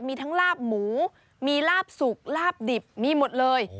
มีทั้งลาบหมูมีลาบสุกลาบดิบมีหมดเลย